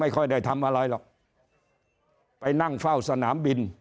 ค่อยได้ทำอะไรหรอกไปนั่งเฝ้าสนามบิน